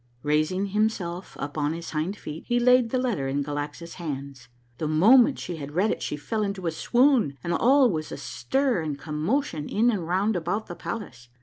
Raising himself upon his hind feet, he laid the letter in Galaxa's hands. The moment she had read it she fell into a swoon, and all was stir and commotion in and round about the palace.